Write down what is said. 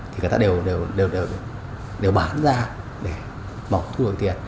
thì người ta đều bán ra để bỏ thu hồi tiền